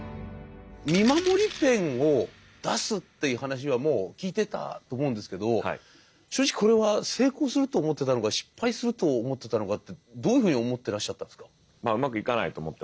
見守りペンを出すっていう話はもう聞いてたと思うんですけど正直これは成功すると思ってたのか失敗すると思ってたのかってどういうふうに思ってらっしゃったんですか？